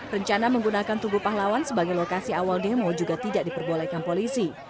rencana menggunakan tugu pahlawan sebagai lokasi awal demo juga tidak diperbolehkan polisi